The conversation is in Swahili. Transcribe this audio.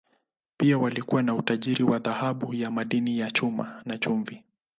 Pia walikuwa na utajiri wa dhahabu na madini ya chuma, na chumvi.